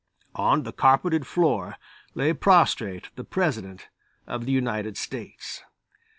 On the carpeted floor lay prostrate the President of the United States.